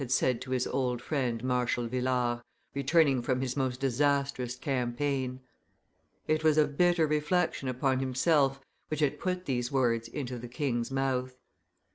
had said to his old friend Marshal Villars, returning from his most disastrous campaign. It was a bitter reflection upon himself which had put these words into the king's mouth.